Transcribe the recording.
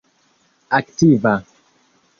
aktiva